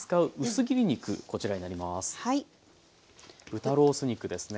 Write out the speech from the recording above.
豚ロース肉ですね。